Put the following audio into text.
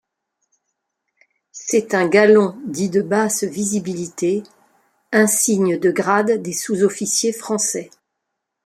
C'est un galon dit de basse visibilité Insignes de grade des sous-officiers français.